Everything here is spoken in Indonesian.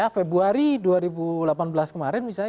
februari dua ribu delapan belas kemarin misalnya